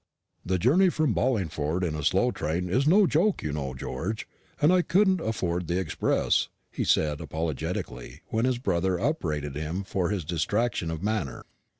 "The journey from Barlingford in a slow train is no joke, you know, George, and I couldn't afford the express," he said apologetically, when his brother upbraided him for his distraction of manner.